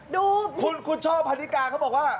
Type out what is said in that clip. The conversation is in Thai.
ดูคุณช่อพันนิกาเขาบอกว่า